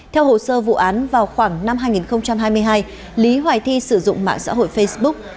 theo hồ sơ vụ án vào khoảng năm hai nghìn hai mươi hai lý hoài thi sử dụng mạng xã hội facebook